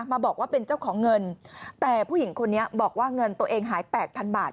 มาบอกว่าเป็นเจ้าของเงินแต่ผู้หญิงคนนี้บอกว่าเงินตัวเองหายแปดพันบาท